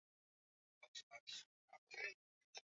yeye anaona kuwa hali ilivyo machafuko kushika kasi